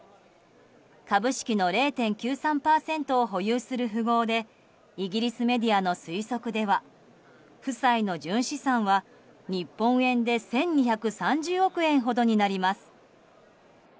株式の０．９３％を保有する富豪でイギリスメディアの推測では夫妻の純資産は、日本円で１２３０億円ほどになります。